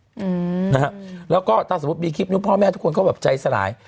อืมนะฮะแล้วก็ถ้าสมมุติมีคลิปนี้พ่อแม่ทุกคนก็แบบใจสลาย